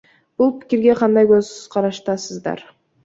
Бул пикирге кандай көз караштасыздар?